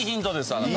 あなた。